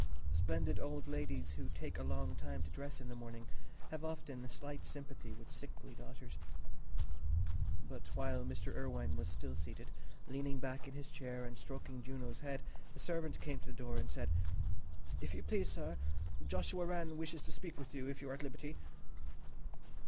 Splendid old ladies, who take a long time to dress in the morning, have often slight sympathy with sickly daughters. But while Mr. Irwine was still seated, leaning back in his chair and stroking Juno's head, the servant came to the door and said, "If you please, sir, Joshua Rann wishes to speak with you, if you are at liberty."